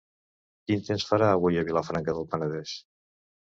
Quin temps farà avui a Vilafranca del Penedès?